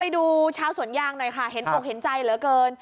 ดูชาวสวนยางหน่อยค่ะเห็นอกเห็นใจเหลือเกิน